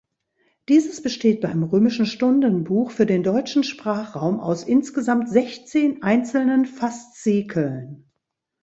Dieses besteht beim römischen Stundenbuch für den deutschen Sprachraum aus insgesamt sechzehn einzelnen Faszikeln.